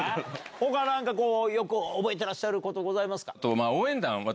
他よく覚えてらっしゃることございますか？